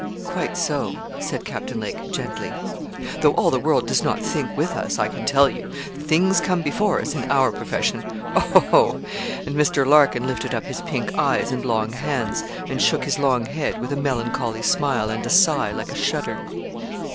'Quite so!' said Captain Lake, gently. 'Though all the world does not think with us, I can tell you, things come before us in our profession. Oh, ho! ho!' and Mr. Larkin lifted up his pink eyes and long hands, and shook his long head, with a melancholy smile and a sigh like a shudder.